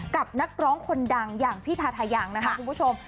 กับนักร้องคนดังอย่างพี่ทาทายังนะคะคุณผู้ชม